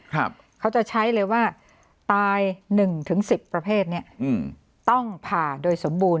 ครับเขาจะใช้เลยว่าตาย๑๑๐ประเภทเนี่ยต้องผ่าโดยสมบูรณ์